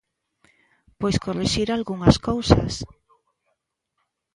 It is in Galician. Pois corrixir algunhas cousas.